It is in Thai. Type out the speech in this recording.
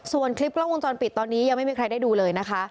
ส่วนคลิปกล้องวงจรปิดตอนนี้ยังไม่มีใครได้ดูเลยนะคะ